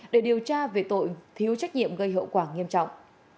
để điều tra về tội thiếu trách nhiệm gây hậu quả nghiêm trọng